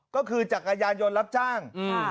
ก็คือจักรยานยนต์รับจ้าง